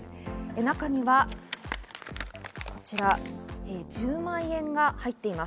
中には１０万円が入っています。